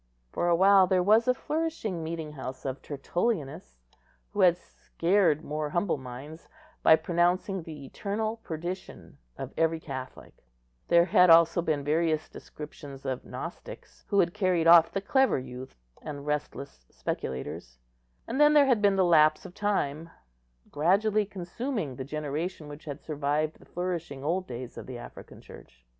For a while there was a flourishing meeting house of Tertullianists, who had scared more humble minds by pronouncing the eternal perdition of every Catholic; there had also been various descriptions of Gnostics, who had carried off the clever youths and restless speculators; and then there had been the lapse of time, gradually consuming the generation which had survived the flourishing old days of the African Church.